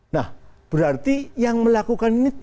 nah berarti yang melakukan ini